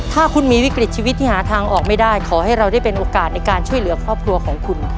ถ้าคุณมีวิกฤตชีวิตที่หาทางออกไม่ได้ขอให้เราได้เป็นโอกาสในการช่วยเหลือครอบครัวของคุณ